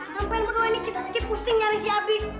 sampai kedua ini kita lagi pusing nyari si abi